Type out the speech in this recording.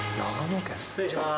失礼します。